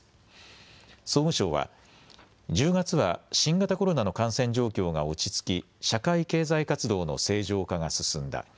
総務省は、１０月は新型コロナの感染状況が落ち着き、社会経済活動の正常化が進んだ。